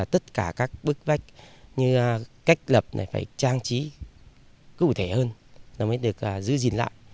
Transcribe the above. tất cả các bức vách như cách lập này phải trang trí cụ thể hơn nó mới được giữ gìn lại